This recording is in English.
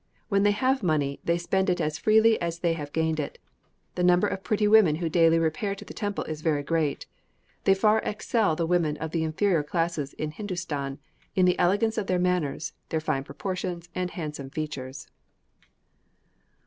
When they have money, they spend it as freely as they have gained it. The number of pretty women who daily repair to the temple is very great. They far excel the women of the inferior classes in Hindustan in the elegance of their manners, their fine proportions, and handsome features."